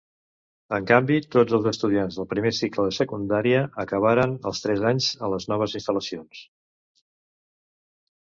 En canvi, tots els estudiants del primer cicle de secundària acabaran els tres anys a les noves instal·lacions.